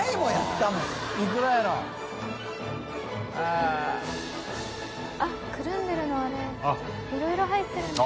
くるんでるのあれいろいろ入ってるんだ。